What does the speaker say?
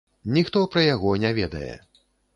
Ніхто пра яго не ведае.